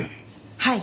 はい。